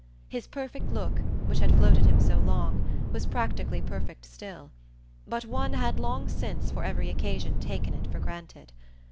His perfect look, which had floated him so long, was practically perfect still; but one had long since for every occasion taken it for granted.